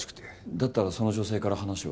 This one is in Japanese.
だったらその女性から話を。